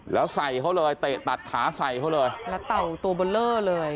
แล้วใส่เขาเลยเตะตัดขาใส่เขาเลยแล้วเต่าตัวเบอร์เลอร์เลย